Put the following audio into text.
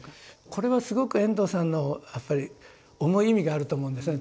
これはすごく遠藤さんのやっぱり重い意味があると思うんですね。